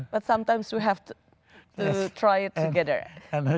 tapi kadang kita harus mencoba bersama